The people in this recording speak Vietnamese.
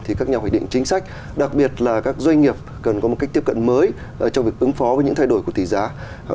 theo hội định chính sách đặc biệt là các doanh nghiệp cần có một cách tiếp cận mới trong việc ứng phó với những thay đổi của tỷ giá